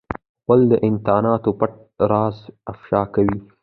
غول د انتاناتو پټ راز افشا کوي.